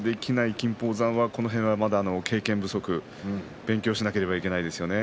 金峰山はこの辺は経験不足勉強しなければいけませんね。